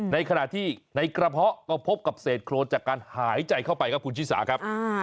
ในขณะที่ในกระเพาะก็พบกับเศษโครนจากการหายใจเข้าไปครับคุณชิสาครับ